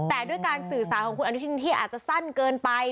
แต่ด้วยการสื่อสารของคุณอนุทินที่อาจจะสั้นเกินไป